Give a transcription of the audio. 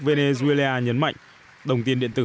venezuela nhấn mạnh đồng tiền điện tử